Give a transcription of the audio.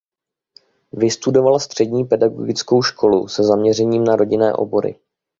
Vystudovala střední pedagogickou školu se zaměřením na rodinné obory.